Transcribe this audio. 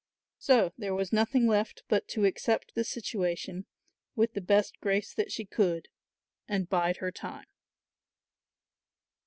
So there was nothing left but to accept the situation with the best grace that she could and bide her time.